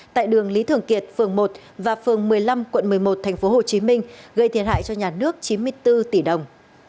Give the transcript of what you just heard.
tại đường lý thường kiệt phường một và phường một mươi năm quận một mươi một tp hcm gây thiệt hại cho nhà nước chín mươi bốn tỷ đồng